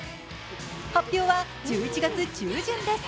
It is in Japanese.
発表は１１月中旬です。